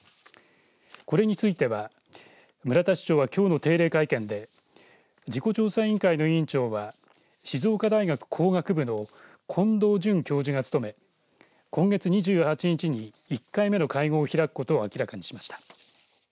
これについては村田市長はきょうの定例会見で事故調査委員会の委員長は静岡大学工学部の近藤淳教授が務め今月２８日に１回目の会合を開くことを明らかにしました。